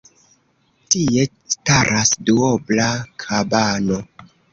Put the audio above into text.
Tie staras duobla kabano.